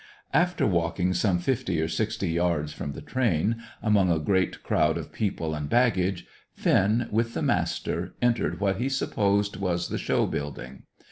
After walking some fifty or sixty yards from the train, among a great crowd of people and baggage, Finn, with the Master, entered what he supposed was the show building.